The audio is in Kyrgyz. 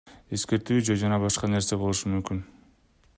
Эскертүү же дагы башка нерсе болушу мүмкүн.